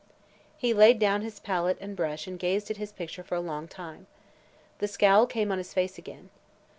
He laid down his palette and brush and gazed at his picture for a long time. The scowl came on his face again.